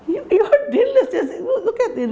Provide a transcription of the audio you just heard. you re dean list ya tante look at